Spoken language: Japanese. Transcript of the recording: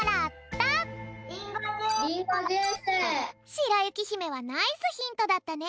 「しらゆきひめ」はナイスヒントだったね。